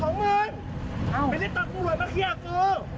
มันเลือดของมึง